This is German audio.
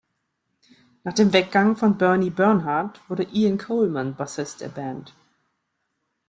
Nach dem Weggang von Bernie Bernhard wurde Ian Coleman Bassist der Band.